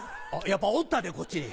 やっぱおったでこっちに。